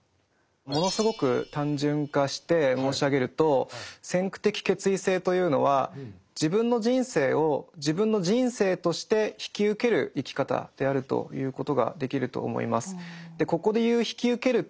ものすごく単純化して申し上げると先駆的決意性というのは自分の人生を自分の人生として引き受ける生き方であると言うことができると思います。